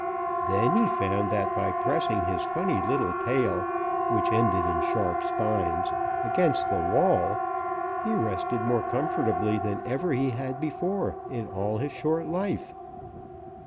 Then he found that by pressing his funny little tail, which ended in sharp spines, against the wall, he rested more comfortably than ever he had before in all his short life.